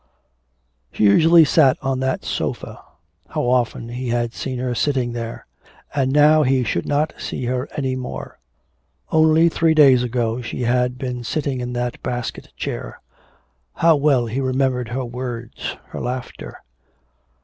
She usually sat on that sofa; how often had he seen her sitting there! And now he should not see her any more. Only three days ago she had been sitting in that basket chair. How well he remembered her words, her laughter!